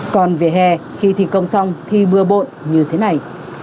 còn về hè khi thi công xong thì mưa bộn như thế này